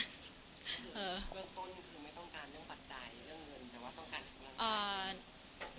เรื่องต้นคือไม่ต้องการเรื่องปัจจัยเรื่องเงินแต่ว่าต้องการเรื่องเงินตอนนี้